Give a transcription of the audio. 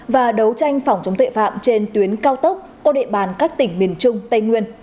và đấu tranh phòng chống tội phạm trên tuyến cao tốc có địa bàn các tỉnh miền trung tây nguyên